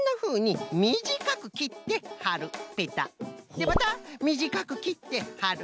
でまたみじかくきってはる。